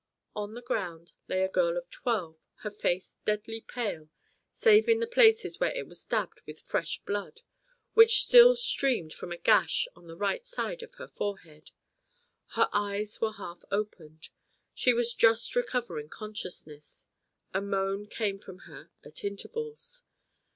On the ground lay a girl of twelve, her face deadly pale, save in the places where it was dabbled with fresh blood, which still streamed from a gash on the right side of her forehead. Her eyes were half opened; she was just recovering consciousness; a moan came from her at intervals.